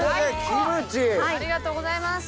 ありがとうございます！